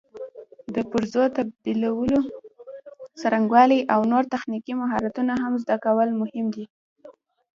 د پرزو تبدیلولو څرنګوالي او نور تخنیکي مهارتونه هم زده کول مهم دي.